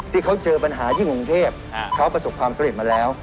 ที่เขาเจอปัญหาที่กรุงเทพเขาประสบความสำเร็จมาแล้ว